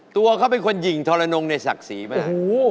ตัวเขาเป็นคนหญิงทรนงในศักดิ์ศรีมาก